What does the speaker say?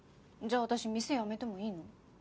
じゃあ私店辞めてもいいの？